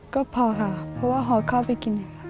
ก็พอค่ะเพราะว่าหอเข้าไปกินค่ะ